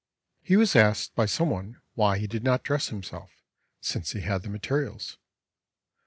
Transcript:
He was asked by some one why he did not dress himself, since he had the materials.